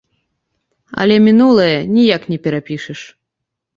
Але мінулае ніяк не перапішаш.